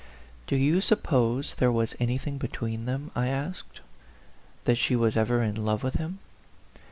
"Do you suppose there was anything be tween them ?" I asked " that she was ever in love with him